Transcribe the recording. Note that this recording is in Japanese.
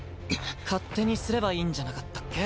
勝手にすればいいんじゃなかったっけ？